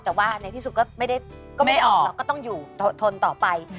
แต่ว่าในที่สุดก็ไม่ได้ออกเราก็ต้องอยู่ทนต่อไป